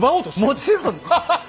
もちろん！